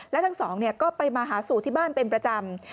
และทั้งสองก็ไปมาหาสู่ที่บ้านเป็นประจำ